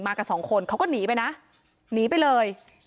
กับสองคนเขาก็หนีไปนะหนีไปเลย